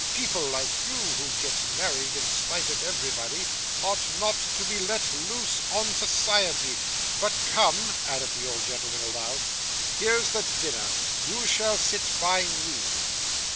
People like you, who get married in spite of everybody, ought not to be let loose on society. But come!' added the old gentleman aloud, 'here's the dinner; you shall sit by me.